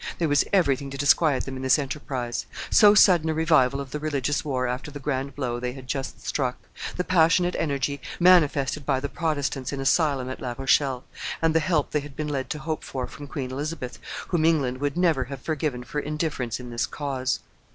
There was everything to disquiet them in this enterprise: so sudden a revival of the religious war after the grand blow they had just struck, the passionate energy manifested by the Protestants in asylum at La Rochelle, and the help they had been led to hope for from Queen Elizabeth, whom England would never have forgiven for indifference in this cause.